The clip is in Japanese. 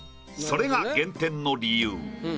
それが減点の理由。